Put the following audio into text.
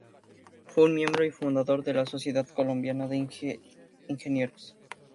Fue un miembro y fundador de la sociedad colombiana de ingenieros.